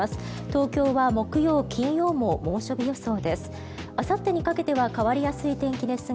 東京は木曜、金曜も猛暑日予想です。